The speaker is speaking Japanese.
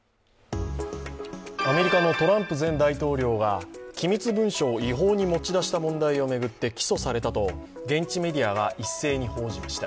アメリカのトランプ前大統領が機密問題を違法に持ち出した問題を巡って起訴されたと現地メディアが一斉に報じました。